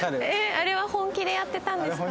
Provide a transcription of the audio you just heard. あれは本気でやってたんですか？